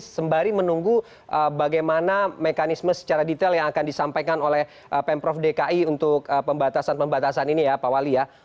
sembari menunggu bagaimana mekanisme secara detail yang akan disampaikan oleh lao fais al tell hai untuk pembatasan pembatasan ini ya pak wali ya